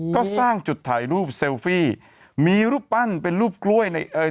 ก็สร้างจุดถ่ายรูปเซลฟี่มีรูปปั้นเป็นรูปกล้วยในเอ่ย